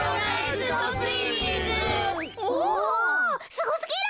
すごすぎる。